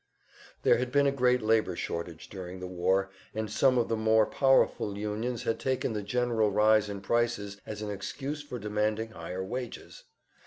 There had been a great labor shortage during the war, and some of the more powerful unions had taken the general rise in prices as an excuse for demanding higher wages.